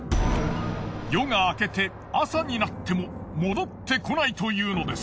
夜が明けて朝になっても戻ってこないというのです。